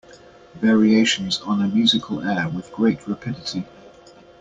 Variations on a musical air With great rapidity.